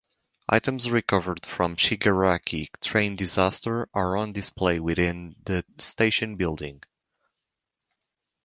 Items recovered from Shigaraki train disaster are on display within the station building.